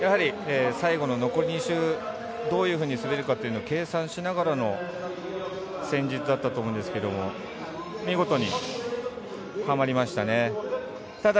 最後の残り２周どういうふうに滑るかというのを計算しながらの戦術だったと思うんですけれども見事に、はまりましたね。